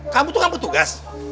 kamu tuh kamu tugas